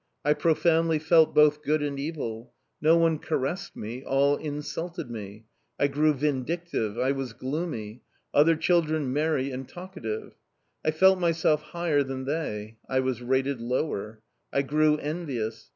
I profoundly felt both good and evil no one caressed me, all insulted me: I grew vindictive. I was gloomy other children merry and talkative; I felt myself higher than they I was rated lower: I grew envious.